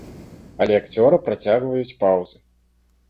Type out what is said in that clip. Але акцёра прыцягваюць паўзы.